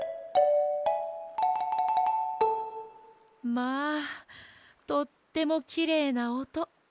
まあとってもきれいなおと。